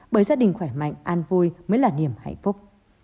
bởi gia đình khỏe mạnh an vui mới là niềm hạnh phúc